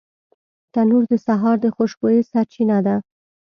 تنور د سهار د خوشبویۍ سرچینه ده